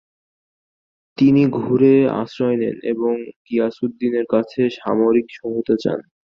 তিনি ঘুরে আশ্রয় নেন এবং গিয়াসউদ্দিনের কাছে সামরিক সহায়তা চান।